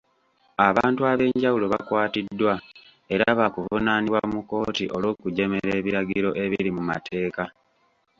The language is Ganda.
Abantu ab'enjawulo bakwatiddwa era baakuvunaanibwa mu kkooti olw'okujeemera ebiragiro ebiri mu mateeka.